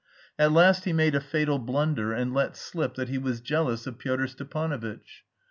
At last he made a fatal blunder, and let slip that he was jealous of Pyotr Stepanovitch.